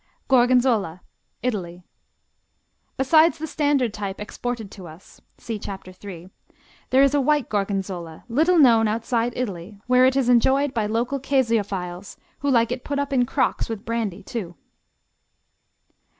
Gorgonzola Italy Besides the standard type exported to us (See Chapter 3.) there is White Gorgonzola, little known outside Italy where it is enjoyed by local caseophiles, who like it put up in crocks with brandy, too.